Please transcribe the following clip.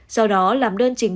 sau đó làm đơn trình